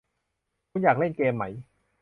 คุณอยากเล่นเกมไหม